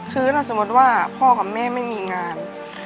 คือถ้าสมมติว่าพ่อกับแม่ไม่มีงาน